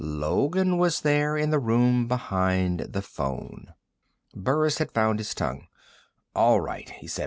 Logan was there in the room behind the phone." Burris had found his tongue. "All right," he said.